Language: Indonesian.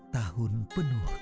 tahun penuh kembali